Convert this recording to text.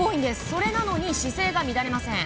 それなのに姿勢が乱れません。